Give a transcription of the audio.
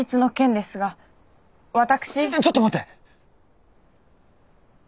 ちょっと待って！